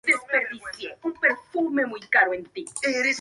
Página web institucional del municipio de Rondon